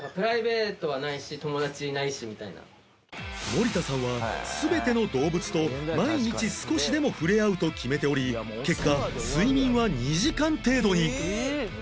森田さんは全ての動物と毎日少しでも触れ合うと決めており結果睡眠は２時間程度に